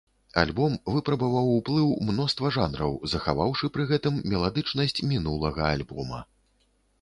Альбом выпрабаваў ўплыў мноства жанраў, захаваўшы пры гэтым меладычнасць мінулага альбома.